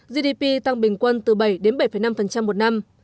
gdp tăng bình quân từ bảy đến bảy năm một năm